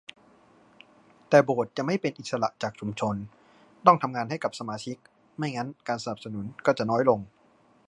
แต่โบสถ์จะไม่เป็นอิสระจากชุมชน ต้องทำงานให้กับสมาชิก ไม่งั้นการสนับสนุนก็จะน้อยลง